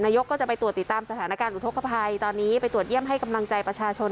ก็จะไปตรวจติดตามสถานการณ์อุทธกภัยตอนนี้ไปตรวจเยี่ยมให้กำลังใจประชาชน